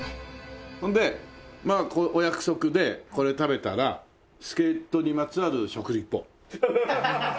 ほんでまあお約束でこれ食べたらスケートにまつわる食リポを。